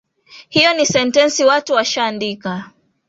Hio ni sentensi watu washaandika